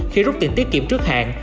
khi rút tiền tiết kiệm trước hạn